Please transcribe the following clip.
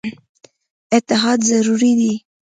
اتحاد ضروري دی.